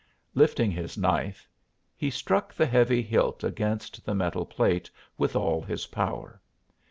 Lifting his knife he struck the heavy hilt against the metal plate with all his power.